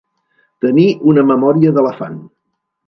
Tenir una memòria d'elefant.